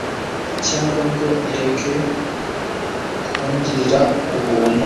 cyangwa ngo ireke kungirira ubuntu